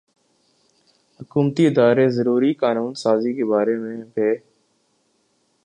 حکومتی ادارے ضروری قانون سازی کے بارے میں بے